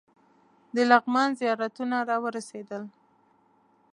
د لغمان زیارتونه راورسېدل.